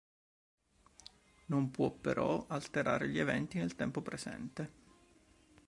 Non può, però, alterare gli eventi nel tempo presente.